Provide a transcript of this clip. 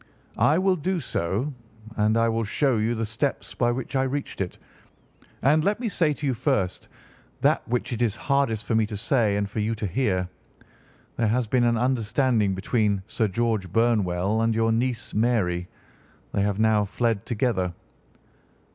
"I will do so, and I will show you the steps by which I reached it. And let me say to you, first, that which it is hardest for me to say and for you to hear: there has been an understanding between Sir George Burnwell and your niece Mary. They have now fled together."